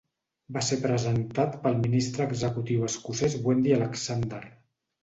Va ser presentat pel ministre executiu escocès Wendy Alexander.